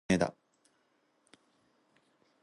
大阪はたこ焼きが有名だ。